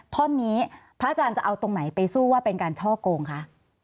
ท่อนนี้พระอาจารย์จะเอาตรงไหนไปสู้ว่าเป็นการช่อโกงคะ